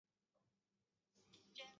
伊泽谷人口变化图示